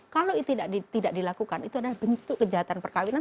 kalau tidak dilakukan itu adalah bentuk kejahatan perkawinan